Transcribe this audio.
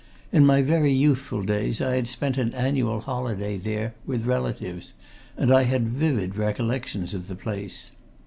In my very youthful days I had spent an annual holiday there, with relatives, and I had vivid recollections of the place.